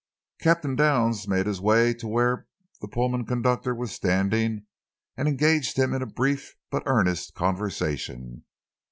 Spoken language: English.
Captain Downs made his way to where the Pullman conductor was standing and engaged him in a brief but earnest conversation.